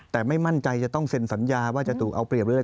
แต่ไม่มั่นใจจะต้องเซ็นสัญญาว่าจะถูกเอาเปรียบหรืออะไร